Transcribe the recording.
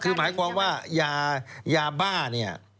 คือหมายความว่ายาบ้าเนี่ย